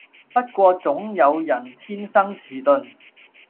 不過總有人天生遲鈍